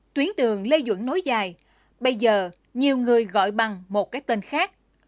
tuyến đường lê duẩn nối dài bây giờ nhiều người gọi bằng một cái tên khác